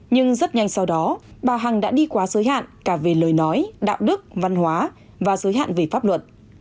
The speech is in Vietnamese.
nhưng rất nhanh sau đó bà hằng đã đi quá giới hạn cả về lời nói đạo đức văn hóa và giới hạn về pháp luật